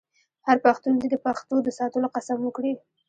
هر پښتون دې د پښتو د ساتلو قسم وکړي.